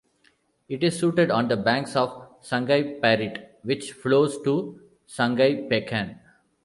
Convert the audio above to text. It is situated on the banks of Sungai Parit which flows to Sungai Pekan.